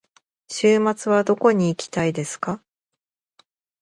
週末はどこに行きたいですか。